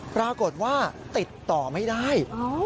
ปรากฏว่าติดต่อไม่ได้